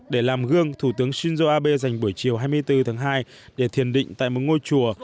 để làm gương thủ tướng shinzo abe dành buổi chiều hai mươi bốn tháng hai để thiền định tại một ngôi chùa